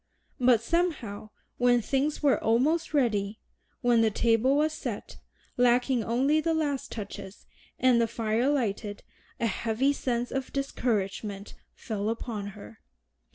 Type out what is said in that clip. But somehow when things were almost ready, when the table was set, lacking only the last touches, and the fire lighted, a heavy sense of discouragement fell upon her.